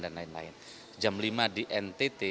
dan lain lain jam lima di ntt